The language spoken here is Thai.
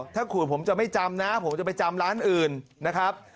ถ้าขูดผมจะไม่จำนะผมจะไปจำร้านอื่นนะครับ